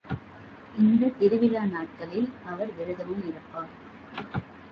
இந்தத் திருவிழா நாட்களில் அவர் விரதமும் இருப்பார்.